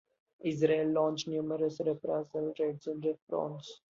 Israel launched numerous reprisal raids in response.